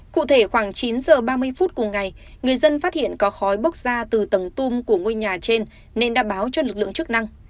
cụ thể khoảng chín h ba mươi phút cùng ngày người dân phát hiện có khói bốc ra từ tầng tung của ngôi nhà trên nên đã báo cho lực lượng chức năng